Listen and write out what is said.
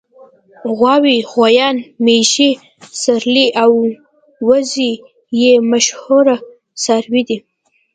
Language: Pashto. غواوې غوایان مېږې سېرلي او وزې یې مشهور څاروي دي.